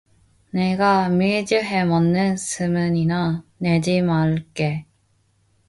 내가 밀주해 먹는 소문이나 내지 말게.